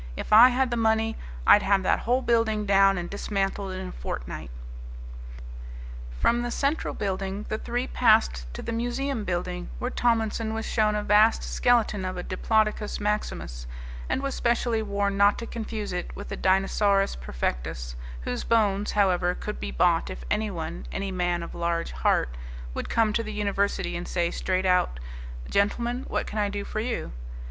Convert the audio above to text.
"If I had the money I'd have that whole building down and dismantled in a fortnight." From the central building the three passed to the museum building, where Tomlinson was shown a vast skeleton of a Diplodocus Maximus, and was specially warned not to confuse it with the Dinosaurus Perfectus, whose bones, however, could be bought if anyone, any man of large heart; would come to the university and say straight out, "Gentlemen, what can I do for you?"